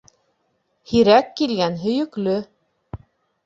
Һирәк килгән һөйөклө.